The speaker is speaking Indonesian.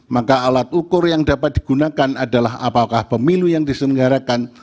maka alat ukur yang dapat digunakan adalah apakah pemilu yang diselenggarakan